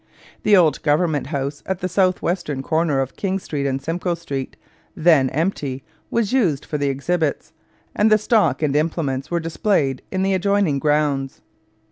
The old Government House at the south western corner of King Street and Simcoe Street, then empty, was used for the exhibits, and the stock and implements were displayed in the adjoining grounds.